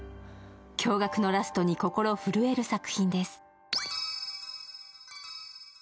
驚がくのラストに心震える作品です。